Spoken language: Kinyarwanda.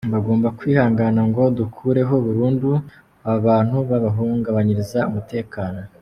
Bagomba kwihangana ngo dukureho burundu aba bantu babahungabanyiriza umutekano.